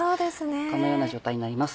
このような状態になります。